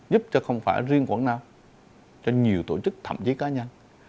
giúp cho không phải riêng quảng nam cho nhiều tổ chức thậm chí cá nhân